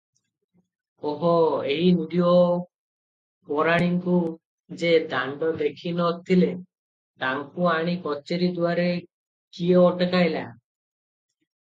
ଓହୋ! ଏହି ନିରୀହ ପରାଣୀଙ୍କୁ ଯେ ଦାଣ୍ଡ ଦେଖି ନଥିଲେ, ତାଙ୍କୁ ଆଣି କଚେରୀ ଦୁଆରେ କିଏ ଅଟକାଇଲା?